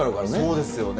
そうですよね。